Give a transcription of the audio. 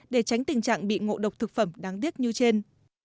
để tránh tình trạng bị ngộ độc thực phẩm đáng tiếc như trên